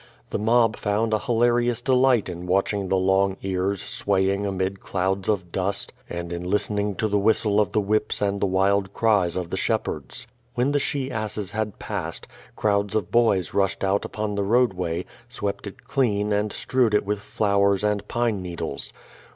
The mob found a hilarious delight in watching the long ears swaying amid clouds of dust, and in listening to the whistle of the whips and the wild cries of the shep herds. When the she asses had passed, crowds of boys rushe<l out upon the roadway, swept it clean and strewed it with flowers and pine needles.